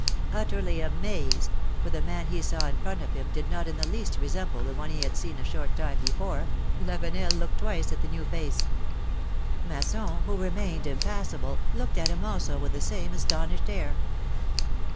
Utterly amazed — for the man he saw in front of him did not in the least resemble the one he had seen a short time before — Lavenel looked twice at the new face. Masson, who remained impassible, looked at him also with the same astonished air.